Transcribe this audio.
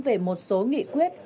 về một số nghị quyết